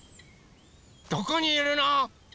どこにいるの？